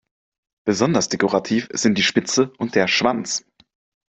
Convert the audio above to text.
Besonders dekorativ sind die Spitze und der Schwanz.